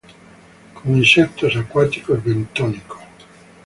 Come insectos acuáticos bentónicos.